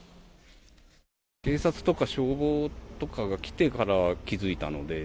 警察とか消防とかが来てから気づいたので。